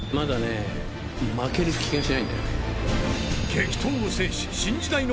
［激闘を制し］